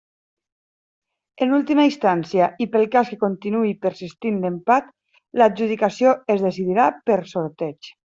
En última instància i pel cas que continuï persistint l'empat, l'adjudicació es decidirà per sorteig.